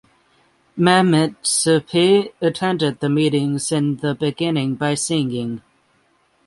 Mehmet Suphi attended the meetings in the beginning by singing.